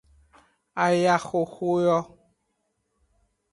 Ayaxoxo yo.